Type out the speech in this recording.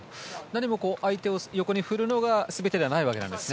相手を横に振るのが全てではないんですね。